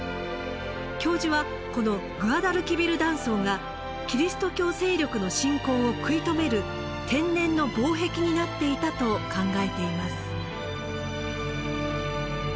教授はこのグアダルキビル断層がキリスト教勢力の侵攻を食い止める天然の防壁になっていたと考えています。